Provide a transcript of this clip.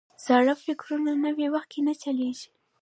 زاړه فکرونه نوي وخت کې نه چلیږي.